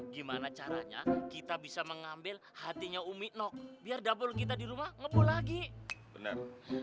gimana caranya kita bisa mengambil hatinya umi nok biar dapur kita di rumah ngepul lagi bener